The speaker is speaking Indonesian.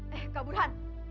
eh kak burhan